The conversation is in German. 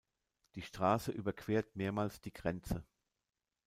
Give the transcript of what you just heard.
Die Straße überquert mehrmals die Grenze.